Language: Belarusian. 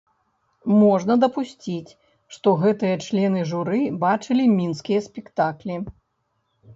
Можна дапусціць, што гэтыя члены журы бачылі мінскія спектаклі.